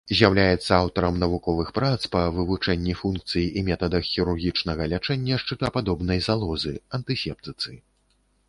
З'яўляецца аўтарам навуковых прац па вывучэнні функцый і метадах хірургічнага лячэння шчытападобнай залозы, антысептыцы.